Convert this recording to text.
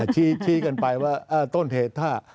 ชี้เทศ